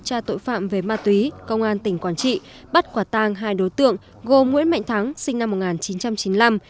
phối hợp với ma túy công an tỉnh quảng trị bắt quả tàng hai đối tượng gồm nguyễn mạnh thắng sinh năm một nghìn chín trăm chín mươi năm